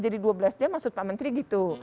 jadi dua belas jam masuk pak menteri gitu